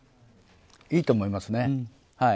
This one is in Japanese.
いいと思いますね。